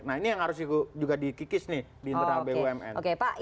nah ini yang harus juga dikikis nih di internal bumn